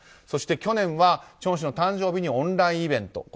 そして、去年はチョン氏の誕生日にオンラインイベント。